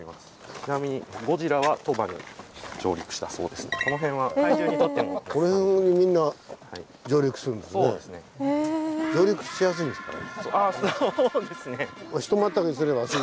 ちなみにこの辺にみんな上陸するんですね。